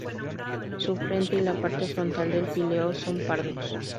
Su frente y la parte frontal del píleo son pardos.